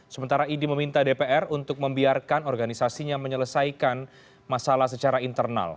sementara idi meminta dpr untuk membiarkan organisasinya menyelesaikan masalah secara internal